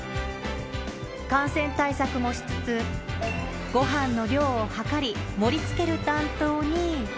感染対策もしつつ、ごはんの量を計り、盛りつける担当に。